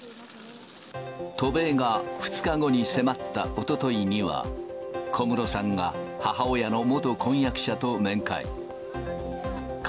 渡米が２日後に迫ったおとといには、小室さんが、母親の元婚約者と面会。